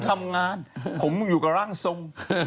ทำงานผมอยู่กับร่างทรง